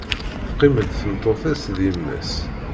Teqqim-d tmeṭṭut-is d yemma-s.